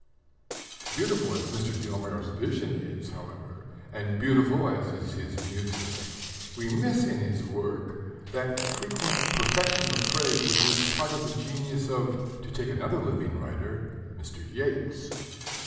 Beautiful as Mr. de la Mare's vision is, however, and beautiful as is his music, we miss in his work that frequent perfection of phrase which is part of the genius of (to take another living writer) Mr. Yeats.